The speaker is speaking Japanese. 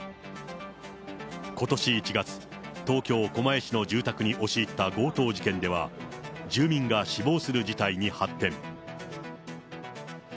ことし１月、東京・狛江市の住宅に押し入った強盗事件では、住民が死亡する事態に発展。